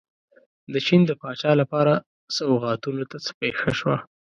د چین د پاچا لپاره سوغاتونو ته څه پېښه شوه.